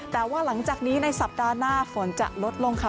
แต่ว่าหลังจากนี้ในสัปดาห์หน้าฝนจะลดลงค่ะ